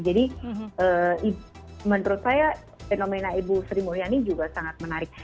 jadi menurut saya fenomena ibu sri mulyani juga sangat menarik